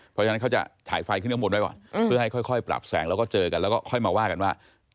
เพราะฉะนั้นเขาจะฉายไฟขึ้นข้างบนไว้ก่อนเพื่อให้ค่อยปรับแสงแล้วก็เจอกันแล้วก็ค่อยมาว่ากันว่า